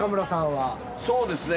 そうですね